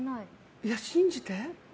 いや、信じて。